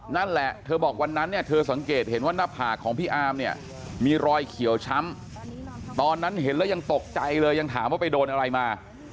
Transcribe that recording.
นั่นแหละเธอบอกวันนั้นเนี่ยเธอสังเกตเห็นว่าหน้าผากของพี่อามเนี่ยมีรอยเขียวช้ำตอนนั้นเห็นแล้วยังตกใจเลยยังถามว่าไปโดนอะไรมา